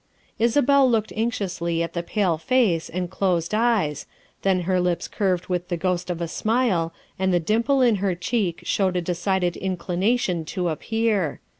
Isabel looked anxiously at the pale face and closed eyes, then her lips curved with the ghost of a smile and the dimple in her cheek showed a decided inclination to appear.